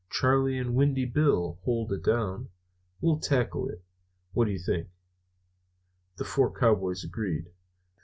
Charley and Windy Bill hold it down. We'll tackle it. What do you think?" The four cowboys agreed.